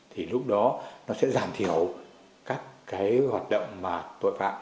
thì lúc đó nó sẽ giảm thiểu các hoạt động tội phạm